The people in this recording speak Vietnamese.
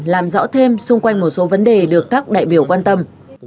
làm rõ thêm xung quanh một số vấn đề được các đại biểu quan tâm